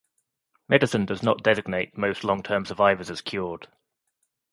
Medicine does not designate most long-term survivors as cured.